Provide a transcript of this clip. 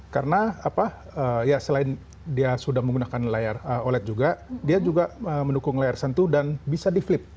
karena selain dia sudah menggunakan layar oled juga dia juga mendukung layar sentuh dan bisa di flip